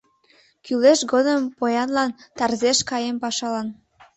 Кӱлеш годым поянлан тарзеш каем пашалан